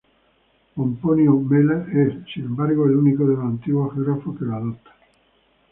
Pomponio Mela es, sin embargo, el único de los antiguos geógrafos que lo adopta.